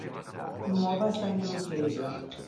Nuova Sangiorgese.